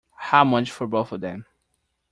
How much for both of them!